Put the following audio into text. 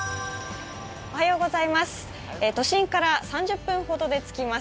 都心から３０分ほどで着きます